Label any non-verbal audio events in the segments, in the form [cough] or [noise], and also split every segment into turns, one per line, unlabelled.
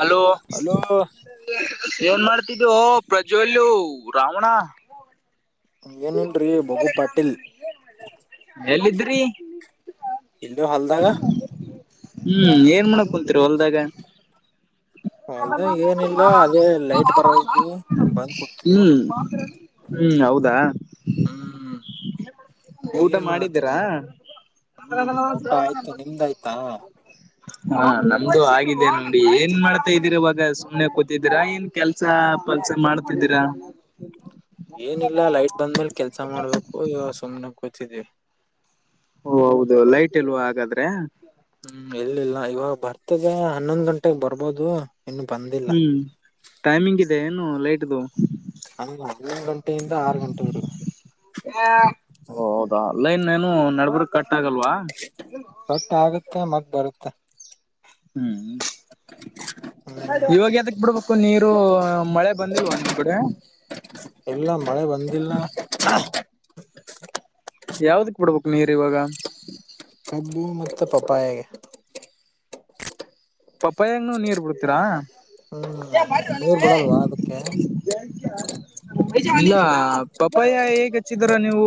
Hello
hello
ಏನ್ ಮಾಡ್ತಿದ್ದೋ. ಪ್ರಜ್ವಲು, ರಾವಣ,
ಏನ್ ಇಲ್ರಿ ಬಹುಪಾಟೀಲ್.
ಎಲ್ಲಿದ್ರಿ,
ಇಲ್ಲೆ ಹಲ್ದಾಗ,
ಹ್ಮ್ ಏನ್ ಮಾಡಕ್ ಕುಂತೀರ ಹೊಲ್ದಾಗ,
ಹೊಲ್ದಾಗ ಏನಿಲ್ಲ ಅದೇ ಲೈಟ್ ಬರದಿದ್ವು ಬಂದ್ ಕೂತಿದ್ವು
ಹ್ಮ್, ಹ್ಮ್ ಹೌದಾ,
ಹ್ಮ್,
ಊಟ
ನೀರ್ ಮಾಡತಿ,
ಮಾಡಿದ್ದೀರಾ
ಹ್ಮ್ ಊಟ ಆಯ್ತು. ನಿಮ್ದ ಆಯ್ತಾ,
ಹಾ ನಮ್ದು ಆಗಿದ್ದೇ. ಏನ್ ಮಾಡ್ತಾ ಇದ್ದೀರಾ ಇವಾಗ, ಸುಮ್ನೆ ಕೂತಿದ್ದೀರಾ, ಏನ್ ಕೆಲ್ಸ ಪಲ್ಸ ಮಾಡ್ತಿದ್ದೀರಾ, [inaudible]
ಏನಿಲ್ಲ ಲೈಟ್ ಬಂದ್ಮೇಲ್ ಕೆಲ್ಸ ಮಾಡ್ಬೇಕು ಇವ ಸುಮ್ನೆ ಕೂತಿದೀವಿ.
ಓ ಹೌದು. ಲೈಟ್ ಇಲ್ವಾ ಹಾಗಾದ್ರೆ,
ಹ್ಮ್ ಇಲ್ಲಿಲ್ಲ ಇವಾಗ ಬರ್ತದ. ಹನ್ನೊಂದ್ ಗಂಟೆಗೆ ಬರ್ಬೋದು, ಇನ್ನು ಬಂದಿಲ್ಲ
ಹ್ಮ್ ಟೈಮಿಂಗ್ ಇದೆ ಏನು ಲೈಟ್ದು.
ಹ್ಮ್ ಹನ್ನೊಂದು ಗಂಟೆಯಿಂದ ಆರು ಗಂಟೆಗೆ,
ಓ ಹೌದಾ ಲ್ಲೈನ್ ಮ್ಯಾನ್ ನಡಬ್ರಕ ಕಟ್ಟ
ಕಟ್ ಆಗುತ್ತ, ಮತ್ತ್ ಬರುತ್ತ,
ಹ್ಮ್,
ಹ್ಮ್
ಇವಾಗ ಯದಕ್ ಬಿಡ್ಬೇಕು ನೀರು ಮಳೆ ಬಂದಿಲ್ವಾ ನಿಮ್ಗಕ್ಡೆ,
ಇಲ್ಲ ಮಳೆ ಬಂದಿಲ್ಲ.
ಯಾವ್ದಕ್ ಬಿಡ್ಬೇಕು ನೀರ್ ಇವಾಗ,
[unintelligible]
ಪಪಾಯ ಹಣ್ಣು ನೀರ್ ಬಿಡ್ತೀರಾ,
ಹ್ಮ್ ನೀರ್ ಬಿಡಲ್ವಾ ಅದಕ್ಕೆ
ಪಪಾಯ, ಹೇಗೆ ಹಚ್ಚಿದ್ರ ನೀವು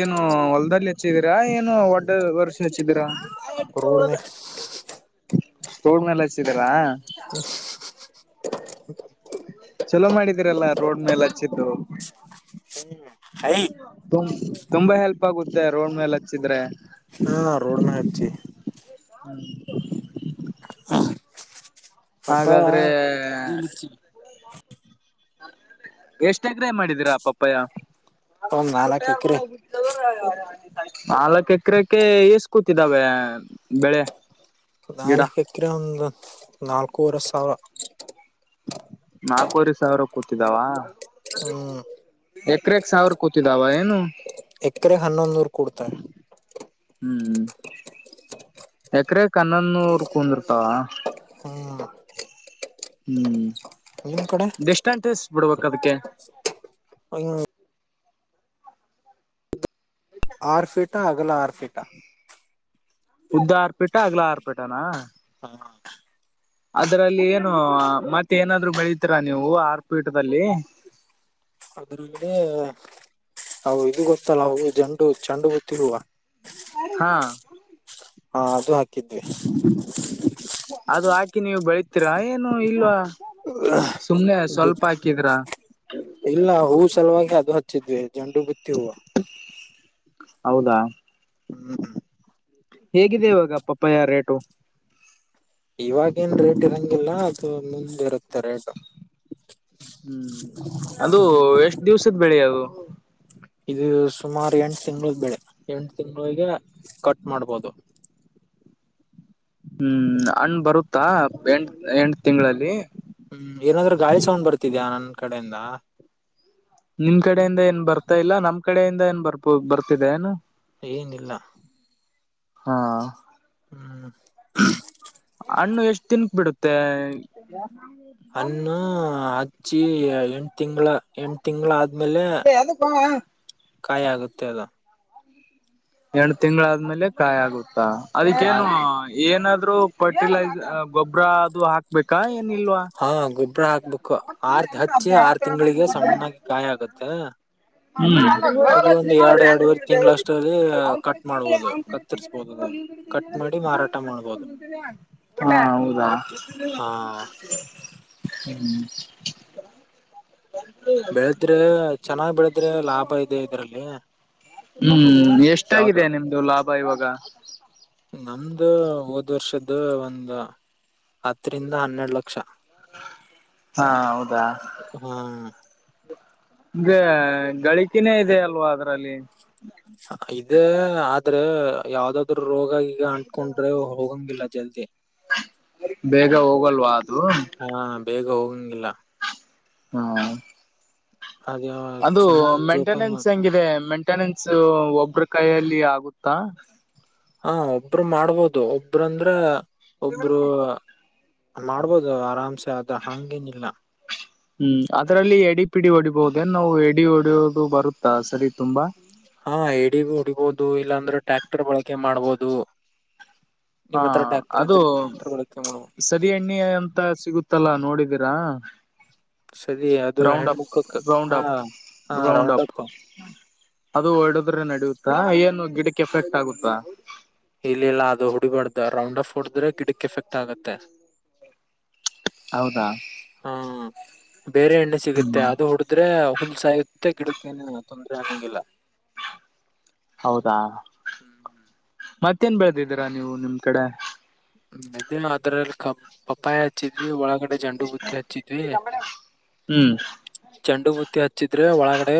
ಏನು ಹೊಲ್ದದಲ್ಲಿ, ಹಚ್ಚಿದೀರಾ ಏನು ಒಡ್ ವರ್ಷ ಹಚ್ಚಿದ್ದೀರಾ,
[unintelligible]
ತೋಡ್ ಮೇಲ ಹಚ್ಚಿದೀರಾ,
[inaudible]
ಚಲೋ ಮಾಡಿದೀರಲ್ಲ ರೋಡ್ ಮೇಲ ಹಚ್ಚಿದ್ದು. ತು ತುಂಬಾ ಹೆಲ್ಪ್ ಆಗುತ್ತೆ. ರೋಡ್ ಮೇಲೆ ಹಚ್ಚಿದ್ರೆ,
ಹಾ ರೋಡ ಮೆಗ್ ಹಚ್ಚಿವಿ. ಪಪಾಯ
ಹಾಗಾದ್ರೆ
[unintelligible]
ಎಷ್ಟ ಎಕ್ರೆ ಮಾಡಿದೀರಾ ಪಪ್ಪಯ್ಯ,
ಒಂದ್ ನಾಲ್ಕ್ ಎಕರೆ
[unintelligible] ನಾಲ್ಕ್ ಎಕರೆಕ್ಕೆ ಎೇಸ್ ಕೂತಿದ್ದಾವೆ ಬೆಳೆ ಗಿಡ
ನಾಲ್ಕಕಿರ ಒಂದು ನಾಲ್ಕೂವರೆ ಸಾವಿರ
ನಾಲ್ಕವರೆ ಸಾವಿರ ಕೂತಿದ್ದಾವ
ಹ್ಮ್
ಕ್ರೆಕ್ ಸಾವರ್ ಕೂತಿದಾವ ಏನು
ಎಕರೆ ಹನ್ನೊಂದ ನೂರು ಕೊಡ್ತಾರೆ
ಹ್ಮ್ ಎಕರೆ ಕನ್ನನ್ನ ಅವರ್ ಕುೂಂದರ್ತ
ಹ್ಮ್ ನಿಮ್ ಕಡೆ
ಹ್ಮ್ ಎಷ್ಟಟೇಜ ಬಿಡ್ಬೇಕ ಅದಕ್ಕೆ
ಹೌ ಆರ್ಫೀಟ ಅಗಲ ಆರ್ಫೀಟಾ
ಉದ್ದ ಆರ್ಪೀಟ ಅಗ್ಲ ಆರ್ಪೀಟನಾ
ಹಾ
ಅದ್ರಲ್ಲಿ ಏನು ಮತ್ತ ಏನಾದ್ರು ಬೆಳಿತೀರಾ ನೀವು ಆರ್ಪೀಠದಲ್ಲಿ
[unintelligible] ಅದ್ರಲ್ಲಿ ಅ ಇದು ಗೊತ್ತಲ್ಲ ಅವವು ಜಂಡು ಚೆಂಡು ಗೊತ್ತಿಲ್ವಾ
ಹಾ
ಹಾ ಅದು ಹಾಕಿದ್ವಿ
ಅದು ಹಾಕಿ ನೀವು ಬೆಳತೀರಾ ಏನು ಇಲ್ವಾ ಸುಮ್ಮ್ನೆ
ಇದು
ಸ್ವಲ್ಪ ಹಾಕಿದ್ರ
ಇಲ್ಲ ಹೂವು ಸಲುವಾಗಿ ಅದು ಹಚ್ಚಿದ್ವಿ ಜಂಡು ಬಿತ್ತಿ ಹೂವು
ಹೌದಾ
ಹ್ಮ್ ಹ್ಮ
ಹೇಗಿದೆ ಇವಾಗ ಪಪ್ಪ ಯ ರೇಟು
ಇವಾಗೇನ್ ರೇಟ್ ಇರಂಗಿಲ್ಲ ಅದು ಮುಂದೆ ಇರುತ್ತೆ ರೇಟ್
ಹ್ಮ್ ಅದು ಎಷ್ಟ್ ದಿವ್ಸದ ಬೆಳಿ ಅದು
ಇದು ಸುಮಾರು ಎಂಟು ತಿಂಗಳ ಬೆಳೆ ಎಂಟು ತಿಂಗಳಿಗೆ ಕಟ್ ಮಾಡ್ಬೋದು
ಹ್ಮ್ ಅಣ್ಣ್ ಬರುತ್ತಾ ಎಂ ಎಂಟ ತಿಂಗಳಲ್ಲಿ
ಹ್ಮ್ ಏನಾದ್ರೂ ಗಾಳಿ ಸೌಂಡ್ ಬರ್ತಿದ್ಯಾ ನನ್ ಕಡೆಯಿಂದ
ನಿಮ ಕಡೆಯಿಂದ ಏನ್ ಬರ್ತಾ ಇಲ್ಲ ನಮ್ ಕಡೆಯಿಂದ ಏನ್ ಬರ್ಬೋ ಬರ್ತಿದೆ ಏನು
ಏನಿಲ್ಲ
ಹಾ
ಹ್ಮ್
ಹಣ್ಣು ಎಷ್ಟು ತನ್ಕ್ ಬಿಡುತ್ತೆ
ಅನ್ನು ಅಜ್ಚ್ಚಿ ಎಂಟ ತಿಂಗಗಳ ಎಂಟ ತಿಂಗಗಳ ಆದ
ಅದ ಪವಾ
ಕಾಯಿ ಆಗುತ್ತೆ ಅದ
ಎರಡು ತಿಂಗಳ ಆದ್ಮೇಲೆ ಕಾಯ್ ಆಗುತ್ತಾ
ಕಾಯ
ಅದಕ್ಕೇನು ಏನಾದ್ ರು ಫರ್ಟಿಲೈಸ ಗೊಬ್ಬ್ರ ಅದು ಹಾಕ್ಬೇಕಾ ಏನ್ ಇಲ್ವಾ
ಹಾ ಗೊಬ್ಬ್ರ ಹಾಕ್ಬೇಕು ಆರ್ ಹಚ್ಚಿ ಆರು ತಿಂಗಳಿಗೆ ಸಣ್ಣಾಗಿ ಕಾಯ ಆಗತ್ತ
ಹ್ಮ್
ಅದು ಒಂದು ಎರಡು ಎರಡುವರೆ ತಿಂಗಳಷ್ಟಲ್ಲಿ ಕಟ್ ಮಾಡ್ಬೋದು ಕತ್ತರ್ಸ್ಬೋುದು ಅದು ಕಟ್ ಮಾಡಿ ಮಾರಾಟ ಮಾಡ್ಬೋದು
ಹಾ ಹೌದಾ
ಹಾ
ಹ್ಮ್
ಬೆಳದ್ರೆ ಚೆನ್ನಾಗ್ ಬೆಳದ್ರೆ ಲಾಭ ಇದೆ ಇದ್ರಲ್ಲಿ
ಹ್ಮ್ ಎಷ್ಟಾಗಿದೆ ನಿಮ್ದು ಲಾಭ ಇವಾಗ
ನಮ್ದು ಹೋದ್ ವರ್ಷದ್ದ ಒಂದು ಹತ್ತರಿಂದ ಹನ್ನೆರಡ್ ಲಕ್ಷ
ಹಾ ಹೌದಾ
ಕ್ಷ ಹ್ಮ
ಗ ಗಳಿಕಿನೇ ಇದೆ ಅಲ್ವಾ ಅದ್ರಲ್ಲಿ
ಇದೇ ಆದ್ರೆ ಯಾವ್ದಾದ್ರು ರೋಗ ಈಗ ಅಂಟ್ಕೊಂಡ್ರೆ ಹೋಗಂಗಿಲ್ಲ ಜಲ್ದಿ
ಬೇಗ ಹೋಗಲ್ವಾ ಅದು
ಹಾ ಬೇಗ ಹೋಗಂಗಿಲ್ಲ
ಹ್ಮ
ಅದು
ಅದು
ಚೆನ್ನಾಗ್ ಜೋಪಾನ
ಮೆಂಟೆನೆನ್ಸ್
ಮಾಡ್-
ಹೆಂಗಿದೆ ಮಂ ಟೆನೆನ್ಸ್ ಒಬ್ರ ಕೈಯಲ್ಲಿ ಆಗುತ್ತಾ
ಹಾ ಒಬ್ರು ಮಾಡ್ಬೋದು ಒಬ್ರಂದ್ರ ಒಬರು ಮಾಡ್ಬೋದು ಆರಾಮ್ಸೆ ಆದದು ಹಂಗೇನಿಲ್ಲ
ಹ್ಮ್ ಅದ್ರಲ್ಲಿ ಎಡಿ ಪಿಡಿ ಹೊಡಿಬಹುದೇನ್ ನಾವು ಎಡಿ ಹೊಡಿಯೋದು ಬರುತ್ತಾ ಸರಿ ತುಂಬ
ಹಾ ಎಡ ಹುಡಿಬೋುದು ಇಲ್ಲಾಂದ್ರೆ ಟ್ಯಾಕ್ಟರ್ ಬಳಕೆ ಮಾಡ್ಬೋದು
ಹಾ
ನಿಮ್ ಹತ್ರ ಟ್ರ್ಯಾಕ್ಟರ್
ಅದು
ಇದ್ರೆ ಟ್ರ್ಯಾಕ್ಟರ್ ಬಳಕೆ ಮಾಡ್ಬೋದು
ಸರಿ ಎಣ್ಣೆ ಎಂತ ಸಿಗುತ್ತಲ್ಲ ಅ ನೋಡಿದೀರಾ
ಸರಿ ಅದು
ರಾಂಡ ಅಪ್
ಹೆಣ್ಮಕ್ಳು ಕ-
ರೌಂಡ
ಹಾ
ಅಪ್
ಹಾ ರೌಂಡ್
ರಾಂಡಪ್
ಅಪ್
ಅದು ಹೊಡದ್ರೆ ನಡಿಯುತ್ತಾ ಏನು ಗಿಡಕ್ಕೆ ಎಫೆಕ್ಟ್ ಆಗುತ್ತಾ
ಇಲ್ಲಿಲ್ಲ ಅದು ಹುಡಿಬಾರ್ದು ರೌಂಡ್ ಅಪ್ ಹೊಡದ್ರೆ ಗಿಡಕ್ ಎಫೆಕ್ಟ್ ಆಗುತ್ತೆ
ಹೌದಾ
ಹಾ ಬೇರೆ ಎಣ್ಣೆ ಸಿಗುತ್ತೆ ಅದು ಹುಡದ್ರೆ ಹುಲ್ಸಾಯುತ್ತೆ ಮತ್ತೆ ಗಿಡಕ್ಕ ೇನು ತೊಂದ್ರರೆ ಆಗಂಗಿಲ್ಲ
ಹೌದಾ
ಹ್ಮ್
ಮತ್ತೇನ್ ಬೆಳದಿದ್ದೀರಾ ನೀವು ನಿಮ್ ಕಡೆ
ಇದೇ ಅದ್ರಲ್ಲಿ ಕ ಪಪ್ಪಾಯಿ ಹಚ್ಚಿದ್ವಿ ಒಳಗ ಜಂಡು ಬುುತ್ತ ಅಚ್ಚಿ ತ
ಹ್ಮ್
ಚಂಡು ಬುತ್ತಿ ಹಚ್ಚಿದ್ರೆ ಒಳಗಡೆ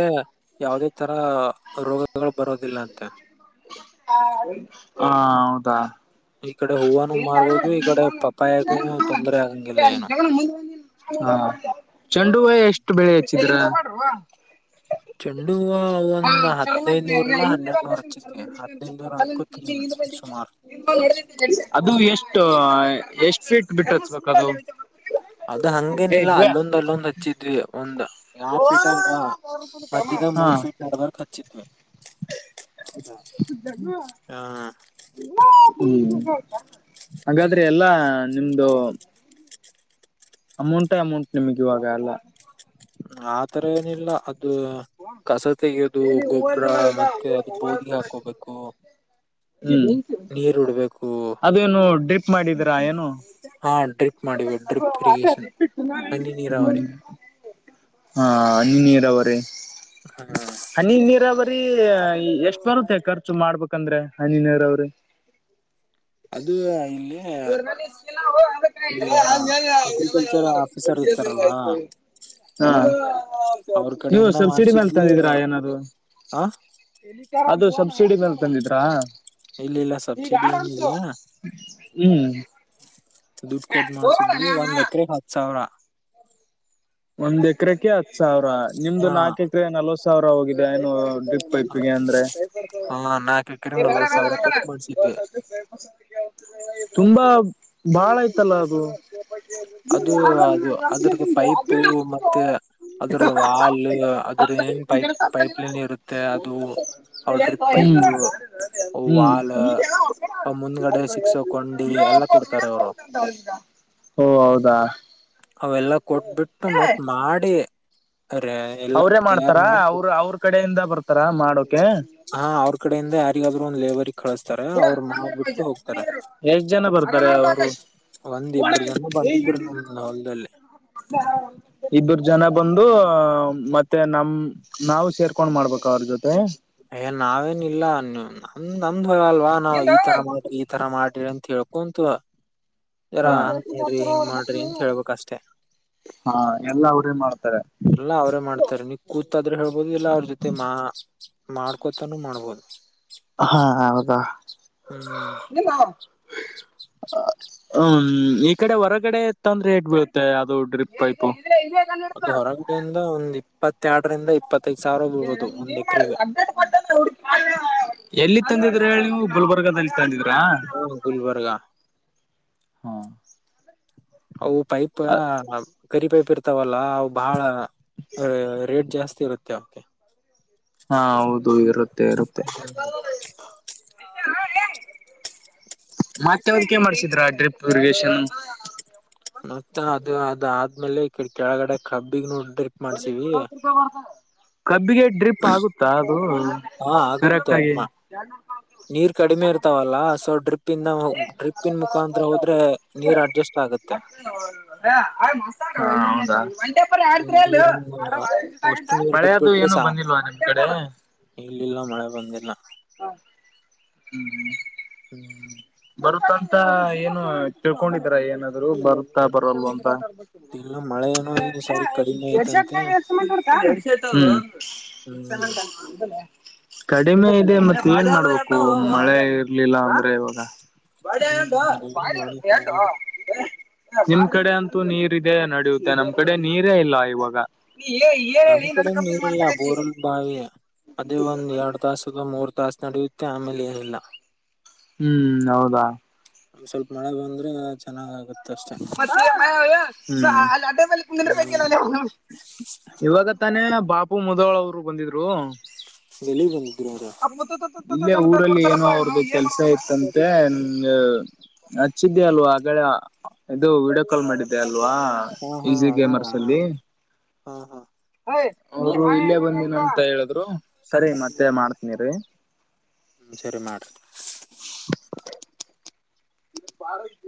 ಯಾವದೇ ತರ ರೋಗಗಳು ಬರೋದಿಲ್ಲ ಅಂತೆ
ಹಾ ಹೌದಾ
ಈ ಕಡೆ ಹೂವನು
ಎ ಅ
ಮಾರ್ಬೋದು ಈ ಕಡೆ ಪಪ್ಪಾಯಗೂನು ತೊಂದರೆ ಆಗಂಗಿಲ್ಲ ಏನು
ಮುಂದೆ ಹಾ ಚೆಂಡ ಹೈ ಎಷ್ಟು ಬೆಳೆ ಹಚ್ಚಿದ್ರ
ಚೆನ್ನ ಇುವ ಒಂದ್ ಹದ್ೈದುನೂರಲ್ಲಾ ಹನ್ನೆರಡ್ನೂರ ಹಚ್ಚಿದ್ವಿ ಹದ್ಿನೈದುನೂರ ಅಂದಕೂ ತಿನ್ ಸುಮಾರು
ಅದು ಎಷ್ಟ ಎಷ್ಟ್ ಫೀಟ್ ಬಿಟ್ಟತ್ ಬದು
ಅದು ಹಂಗೇನಿಲ್ಲ ಅಲ್ಲೊಂದು್ ಅಲ್ಲೊಂದು್ ಹಚ್ಚಿದ್ವಿ ಒಂದ ಈ ಆರ್ ಫೀಟ್ ಅಲ್ವಾ ಮಧ್ಯದ
ಹಾ
ಮೂರ್ ಫೀಟ್ ಅಡ್ವರ್ಕ್ ಹಚ್ಚಿದ್ವಿ ಆ
[unintelligible] ಹ್ಮ್ ಹಾಗಾದ್ರೆ ಎಲ್ಲಾ ನಿಮ್ದು ಅಮೌಂಟೇ ಅಮೌಂಟ್ ನಿಮಗೆ ಇವಾಗ ಅಲ್ಲ
ಆತರ ಏನಿಲ್ಲ ಅದು ಕಸ ತೆೆಗೆಯೋದು ಗೊಬ್ಬರ ಮತ್ತೆ ಅದು ಬೋದಿಗೆ ಹಾಕೋಬೇಕು
ಹ್ಮ
ನೀರ್ ಉಡ್ಬೇಕು
ಅದೇನು ಡ್ರಿಪ್ ಮಾಡಿದೀರಾ ಏನು
ಹಾ ಉಂಟು
ತ ರ
ಹನಿ ನೀರಾವರಿ
[unintelligible] ಹಾ ನೀ ನೀರ ಅವ ರೀ
ಹ
ಹನಿ ನೀರಾವ್ರೀ ಎಷ್ಟ್ ಬರುತ್ತೆ ಖರ್ಚು ಮಾಡ್ಬೇಕಂದ್ರೆ ಹನಿ ನೀರಾವ್ರಿ
[inaudible]
[unintelligible]
ಅದು ಇಲ್ಲಿ ಈ ಅಗ್ರಿಕಲ್ಚರ್ ಆಫೀಸರ್ ಇರ್ತಾರಲ್ವಾ
ಹ
ಅವ್ರ
ನೀವು
ಕಡೆಯಿಂದ
ಸಬ್ಸಿಡಿ
ಮಾಡ್ಸಿದ್ವಿ
ಮಾಡಲ್ತಂದ ಏನಾದರು
ಆ
ಅದು ಸಬ್ಸಿಡಿ ಮೇಲೆ ತಂದಿದ್ರಾ
ಇಲ್ಲ ಇಲ್ಲ
ಈಗ
ಸಬ್ಸಿಡಿ ಏನಿಲ್ಲ
ಆರಂತು ಹ್ಮ್
ದುಡ್ಡು ಕೊಟ್ಟು ಮಾಡ್ಸಿದ್ವಿ ಒಂದ್ ಎಕರೆ ಹತ್ತು ಸಾವಿರ
ಒಂದ್ ಎಕರೆಕ್ಕೆ ಹತ್ ಸಾವಿರ ನಿಮ್ದು
ಹ
ನಾಕ ಎಕರೆ ನಲ್ವತ್ ಸಾವಿರ ಹೋಗಿದೆ ಏನು ಪ್ಪ ಇಪ್ಪಿಗೆ ಅಂದ್ರೆ
ಹಾ ನಾಲ್ಕ ಎಕರೆ ನಲ್ವತ್ ಸಾವಿರ ಕೊಟ್ಟು ಮಾಡ್ಸಿದ್ವಿ
ತುಂಬಾ ಬಾಳಯ್ತಲ್ಲ ಅದು
ಪೂ ಮತ್ತೆ ಅದ್ರದ್ದ ವಾಲ್ ಅದ್ರ ಏನ್ ಪೈಪ್ ಪೈಪ್ಲೈನ್ ಇರುತ್ತೆ ಅದು ಅವ್ರ ಡ್ರಿಪ್
ಹ್ಮ್
ಪೈಪ್
ಹ್ಮ್
ವಾಲ್ ಆ ಮುಂದ್ಗಡೆ ಸಿಕ್ಸಕೊಂಡಿ ಎಲ್ಲಾ ಕುಡ್ತಾರೆ ಅವರು
ಹ್ಮ
ಅವೆಲ್ಲ ಕೊಟ್ಬಿಟ್ಟು ಮತ್ ಮಾಡಿ ಎಲ್ಲ
ಅವ್ರೇ ಮಾಡ್ತಾರ
ತಯಾರು ಮಾಡಿ
ಅವ್ರ ಅವ್ರ ಕಡೆಯಿಂದ ಬರ್ತಾರ ಮಾಡೋಕ
ಹಾ ಅವ್ರ ಕಡೆಯಿಂದ ಯಾರಿಗಾದ್ರು ಒಂದ್ ಲೇಬಲ್
ಎಷ್ಟ ಜನ ಬರ್ತಾರೆ
ಒಂದ್ ಇಬ್ರು ಜನ ಬಂದಿದ್ರು ನಮ್ ಹೊಲ್ದಲ್ಲಿ
ಇಬ್ಬರು ಜನ ಬಂದು ಮತ್ತೆ ನಮ ನಾವು ಸೇರ್ಕೊಂಡ್ ಮಾಡ್ಬೇಕ ಅವ್ರ ಜೊತೆ
ಅಯ್ಯ ನಾವೇನ್ ಇಲ್ಲ ನಮ ಒಂದ್ ಅಲ್ವಾ ನಾವ್ ಈ ತರ ಮಾಡ್ರಿ ಈ ತರ ಮಾಡ್ರಿ ಅಂತ ಹೇಳ್ಕೊಂತುವ ಯರಾ ಅಂತ್ ಹೇಳ್ರಿ ಹಿಂಗ್ ಮಾಡ್ರಿ ಅಂತ ಹೇಳ್ಬೇಕಕ್ಷ್ಟೆ
ಹಾ ಎಲ್ಲಾ ಅವ್ರೇ ಮಾಡ್ತಾರೆ
ಎಲ್ಲ ಅವ್ರೇ ಮಾಡ್ತಾರೆ ನೀಗ್ ಕೂತಾದ್ರೆ ಹೇಳ್ಬೋದು ಇಲ್ಲ ಅವ್ರ ಜೊತೆ ಮಾ ಮಾಡ್ಕೊತನು ಮಾಡ್ಬೋದು
ಹಾ ಹೌದ [inaudible]
ಹ್ಮ್
ಹ್ಮು್ ಈ ಕಡೆ ಹೊರಗಡೆ ಇತ್ತ ಅಂದ್ರೆ ಎಟ್ ಬೀಳುತ್ತೆ ಅದು ಡ್ರಿಪ್ ಪೈಪ್
ಅದು ಹೊರಗಡಿಂದ ಒಂದ್ ಇಪ್ಪತ್ತೆರಡರಿಂದ ಇಪ್ಪತ್ತು
[inaudible] ಎಲ್ಲಿ ತಂದಿದ್ರೆ ಹೇಳಿ ನೀವು ಗುಲ್ಬರ್ಗದಲ್ಲಿ ತಂದಿದ್ರಾ
ಹಾ ಗುಲ್ಬರ್ಗಾ
ಹಾ
ಅವು ಪೈಪಾ ಕರಿ ಪೈಪ್ ಇರ್ತಾವಲ್ಲ ಅವು ಬಾಹಳ ರೇಟ್ ಜಾಸ್ತಿ ಇರುತ್ತೆ ಅವ್ಕೆ
ಹಾ ಹೌದು ಇರುತ್ತೆ ಇರುತ್ತೆ [inaudible] ಮತ್ತೆ ಅವ್ಕನುಕ್ ಮಾಡ್ಸಿದ್ರ ಡ್ರಿಪ್ ದುರ್ಗೇಶನ್
ಮತ್ತಾ ಅದು ಅದು ಆದ್ಮೇಲೆ ಕೆ ಕೆಳಗಡೆ ಕಬ್ಬಿಗ್ ನೋಡ
[inaudible] ಕಬ್ಬಿಗೆ ಡ್ರಿಪ್ ಆಗುತ್ತಾ ಹ್ಮು
ಹಾ
ಕರೆಕ್ಟ್
ಆಗುತ್ತೆ
ಗಿ
ನೀರ್ ಕಡಿಮೆ ಇರ್ತಾವಲ್ಲಾ ಸೊ ಡ್ರಿಪ್ಂದ ಡ್ರಿಪ್ಪನ್ ಮುಖಾಂತ್ರ ಹೋದ್ರೆ ನೀರ್ ಅಡ್ಜಸ್ಟ್ ಆಗ್ತ್
[inaudible] ಹಾ ಹೌದಾ
[inaudible] ವಷ್ಟು ನೀರು
ಮಳೆಯದು
ಬಿಟ್ಬಿಟ್ರೆ
ಏನು
ಸಾಕ್
ಬಂದಿಲ್ವಾ ನಿಮ್ ಕಡೆ
ಇಲ್ಲಿಲ್ಲ ಮಳೆ ಬಂದಿಲ್ಲ
ಹ ಹ್ಮುಹು
ಹ್ಮ [inaudible]
ಬರುತ್ತಂತ ಏನು ತಿಳ್ಕೊಂಡಿದ್ರ ಏನಾದ್ರು ಬರು ತಾ ಬರಲ್ವ ಅಂತ
ಇಲ್ಲ ಮಳೆ ಏನೋ ಈ ಸಾರಿ ಕಡಿಮೆ
ಎಡ್ ಸೆಟ್
ಐತಂತೆ
ನೀಗೆ ಎತ್ಕೊಬಂದ್ಬಿಡ್ತ ಹು
ಹ್ಮ್
[inaudible] ಕಡಿಮೆ ಇದೆ ಮತ್ತೆ ಏನ್ ಮಾಡ್ಬೇಕು ಮಳೆ ಇರ್ಲಿಲ್ಲ ಅಂದ್ರೆ ಇವಾಗ ಬ
ಹ್ಮ್ ಏನ್
ಎ
ಮಾಡಕ್
[inaudible]
ಆಗಲ್ಲ
ನಿಮ್ ಕಡೆ ಅಂತೂ ನೀರಿದೆ ನಡೆಯುತ್ತೆ ನಮ್ ಕಡೆ ನೀರೇ ಇಲ್ಲ ಇವಾಗ ನೀ ಏ ಐ
ನಮ್
ಹೇಳಿ ನನ್ನ
ಕಡೆ
ಕನ್ ಪೂಸ್
ನೀರಿಲ್ಲ
ಮಾಡಕತ್ತಿ
ಬೋರಲ್ ಬಾವಿ ಅದೇ ಒಂದ್ ಎರಡು ತಾಸಗ ಮೂರು ತಾಸು ನಡೆಯುತ್ತೆ ಆಮೇಲೆ ಏನಿಲ್ಲ
ಹ್ಮು ಹೌದಾ
ಒಂದ್ ಸ್ವಲ್ಪ ಮಳೆ ಬಂದ್ರೆ ಚೆನ್ನಾಗಗತ್ತ್
ಮತ್ತ ಅ ಅಲ್ಲಿ ರಪ
ಹ್ಮ್
ಇಾಗ ಇವಾಗ ತನೇನ ಬಾಪು ಮುದೋಳವ್ರು ಬಂದಿದ್ರು
ಎಲ್ಲಿಗ್ ಬಂದಿದ್ ಅವ್ರು
ಇಲ್ಲೇ ಊರಲ್ಲಿ ಏನೋ ಅವ್ರ್ದು ಕೆಲ್ಸ ಇತ್ತಂತೆ ಹಚ್ಚಿದ್ದ್ಯಾ ಅಲ್ವಾ ಹಾಗಳೆ ಇದು ವಿಡಿಯೋ ಕಾಲ್ ಮಾಡಿದ್ದೆ ಅಲ್ ಲ್ವಾ
ಹಾ ಹಾ ಅವಾಗ ಹಾ
ಈಸಿಬಿಯಮರ್ಸಿದ್ದಿ
ಹಾ
ಅವರು ಇಲ್ಲೇ ಬಂದಿನ ಅಂತ ಹೇಳಿದ್ರು ಸರಿ ಮತ್ತೆ
ಹ್ಮ್ ಹ್ಮ್
ಮಾಡ್ತನಿ ಇರ್ರಿ
ಹ್ಮ್ ಸರಿ ಮಾಡ್ರಿ
ಇ ಬಾರಯು